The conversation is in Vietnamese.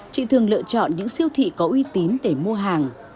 chị thường lựa chọn những siêu thị có uy tín để mua hàng